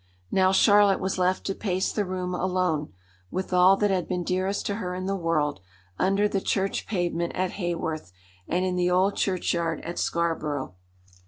Now Charlotte was left to pace the room alone, with all that had been dearest to her in the world under the church pavement at Haworth and in the old churchyard at Scarborough.